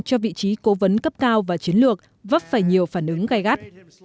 cho vị trí cố vấn cấp cao và chiến lược vấp phải nhiều phản ứng gai gắt